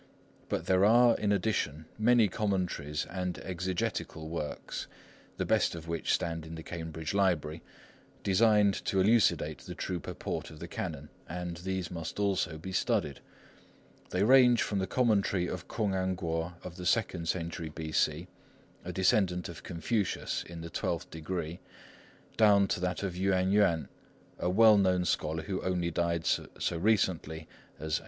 But there are in addition many commentaries and exegetical works—the best of which stand in the Cambridge Library—designed to elucidate the true purport of the Canon; and these must also be studied. They range from the commentary of K'ung An kuo of the second century B.C., a descendant of Confucius in the twelfth degree, down to that of Yüan Yüan, a well known scholar who only died so recently as 1849.